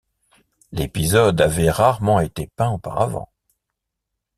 L'épisode avait rarement été peint auparavant.